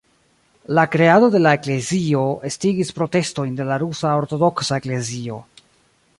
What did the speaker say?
La kreado de la eklezio estigis protestojn de la Rusa Ortodoksa Eklezio.